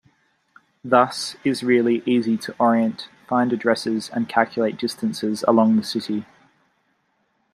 Thus, is really easy to orient, find addresses and calculate distances along the city.